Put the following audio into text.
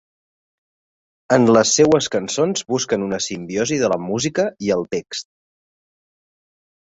En les seues cançons busquen una simbiosi de la música i el text.